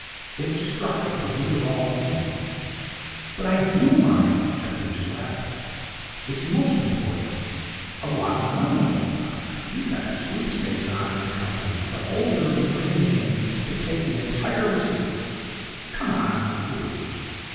It struck at the root of all things. 'But I do mind,' objected Jelliffe. 'It's most important. A lot of money hangs on it. We've got a sweepstake on in the company, the holder of the winning name to take the entire receipts. Come on. Who is he?'